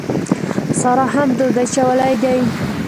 سارا هم دود اچولی دی.